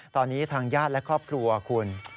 ตอนนี้ทางญาติและครอบครัวคุณ